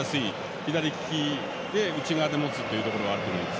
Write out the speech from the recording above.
左利きで、内側で持つというところがあると思います。